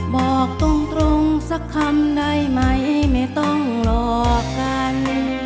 บอกตรงสักคำได้ไหมไม่ต้องหลอกกัน